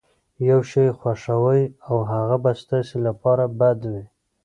يو شی خوښوئ او هغه به ستاسې لپاره بد وي.